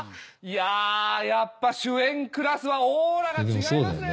やっぱ主演クラスはオーラが違いますね。